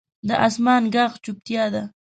د اسمان ږغ چوپتیا ده.